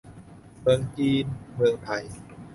เมืองจีน เมืองไทย